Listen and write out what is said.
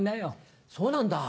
そうなんだ。